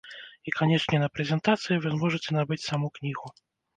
І, канешне, на прэзентацыі вы зможаце набыць саму кнігу.